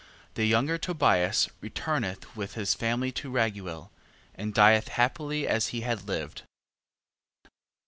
The younger Tobias returneth with his family to Raguel, and dieth happily as he had lived.